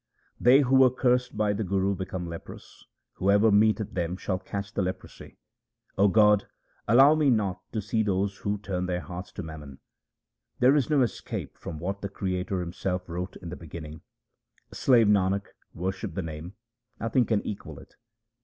They who were cursed by the Guru became leprous ; whoever meeteth them shall catch the leprosy. 0 God, allow me not to see those who turn their hearts to mammon. There is no escape from what the Creator Himself wrote in the beginning. Slave Nanak, worship the Name ; nothing can equal it.